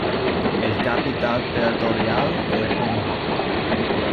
El capital territorial fue Omaha.